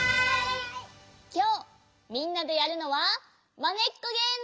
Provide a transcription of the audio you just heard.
きょうみんなでやるのはまねっこゲーム！